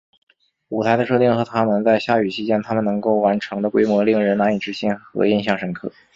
舞台的设定和他们在下雨期间他们能够完成的规模令人难以置信和印象深刻。